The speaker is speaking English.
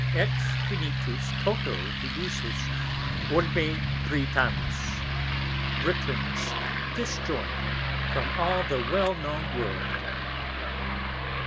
Et Penitus Toto Divisos Orbe Britannos. Britain's disjoyn'd from all the well known World.